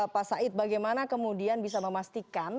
pak said bagaimana kemudian bisa memastikan